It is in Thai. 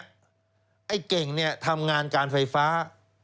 ไอ้เก่งเนี่ยทำงานการไฟฟ้า